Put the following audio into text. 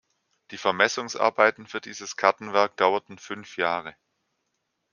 Die Vermessungsarbeiten für dieses Kartenwerk dauerten fünf Jahre.